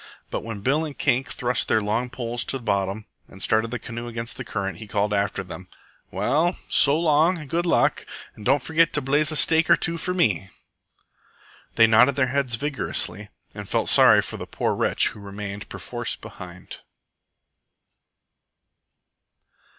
But when Bill and Kink thrust their long poles to bottom and started the canoe against the current, he called after them: "Well, so long and good luck! And don't forget to blaze a stake or two for me!" They nodded their heads vigorously and felt sorry for the poor wretch who remained perforce behind.